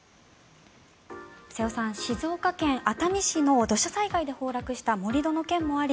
瀬尾さん、静岡県熱海市の土砂災害で崩落した盛り土の件もあり